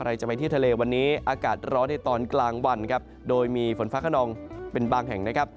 จะไปที่ทะเลวันนี้อากาศร้อนในตอนกลางวันครับโดยมีฝนฟ้าขนองเป็นบางแห่งนะครับ